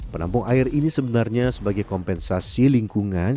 penampung air ini sebenarnya sebagai kompensasi lingkungan